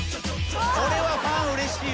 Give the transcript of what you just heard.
これはファンうれしい。